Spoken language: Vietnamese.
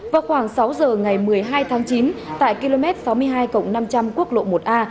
vào khoảng sáu giờ ngày một mươi hai tháng chín tại km sáu mươi hai năm trăm linh quốc lộ một a